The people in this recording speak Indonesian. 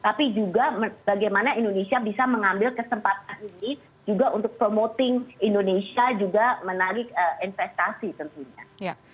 tapi juga bagaimana indonesia bisa mengambil kesempatan ini juga untuk promoting indonesia juga menarik investasi tentunya